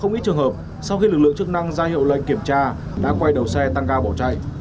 không ít trường hợp sau khi lực lượng chức năng ra hiệu lệnh kiểm tra đã quay đầu xe tăng ga bỏ chạy